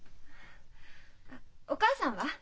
あっお母さんは？